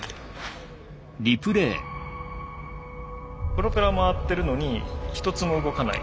プロペラ回ってるのに一つも動かない。